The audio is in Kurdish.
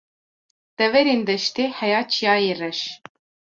Deverên deştê heya Çiyayê reş